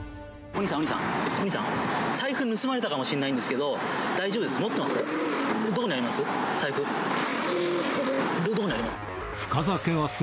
お兄さん、財布盗まれたかもしれないんですけど、大丈夫です？